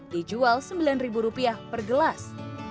dijual rp sembilan per gelas